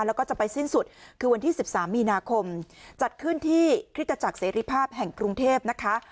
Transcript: แล้วก็จะไปสิ้นสุดคือวันที่๑๓มีนาคมจัดขึ้นที่คริสตจักรเสรีภาพแห่งกรุงเทพนะคะ